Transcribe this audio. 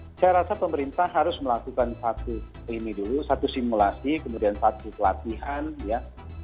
saya rasa pemerintah harus melakukan satu ini dulu satu simulasi kemudian satu pelatihan ya